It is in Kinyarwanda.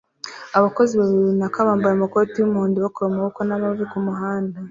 Abakozi babiri bubaka bambaye amakoti yumuhondo bakora mumaboko n'amavi kumuhanda